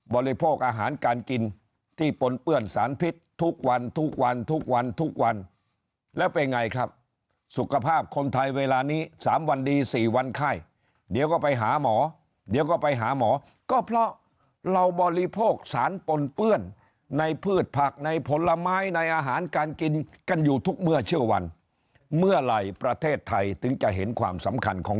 บริโภคอาหารการกินที่ปนเปื้อนสารพิษทุกวันทุกวันทุกวันทุกวันทุกวันทุกวันแล้วเป็นไงครับสุขภาพคนไทยเวลานี้๓วันดี๔วันไข้เดี๋ยวก็ไปหาหมอเดี๋ยวก็ไปหาหมอก็เพราะเราบริโภคสารปนเปื้อนในพืชผักในผลไม้ในอาหารการกินกันอยู่ทุกเมื่อเชื่อวันเมื่อไหร่ประเทศไทยถึงจะเห็นความสำคัญของ